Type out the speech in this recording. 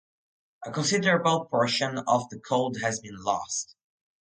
A considerable portion of the code has been lost.